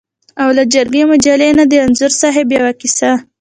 او له جرګې مجلې نه د انځور صاحب یوه کیسه.